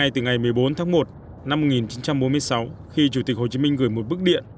từ ngày một mươi bốn tháng một năm một nghìn chín trăm bốn mươi sáu khi chủ tịch hồ chí minh gửi một bức điện